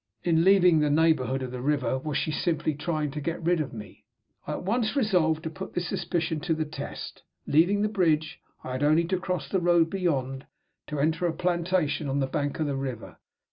In leaving the neighborhood of the river, was she simply trying to get rid of me? I at once resolved to put this suspicion of her to the test. Leaving the bridge, I had only to cross the road beyond, and to enter a plantation on the bank of the river.